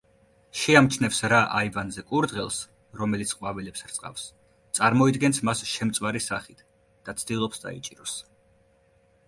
შეამჩნევს რა აივანზე კურდღელს, რომელიც ყვავილებს რწყავს, წარმოიდგენს მას შემწვარი სახით და ცდილობს, დაიჭიროს.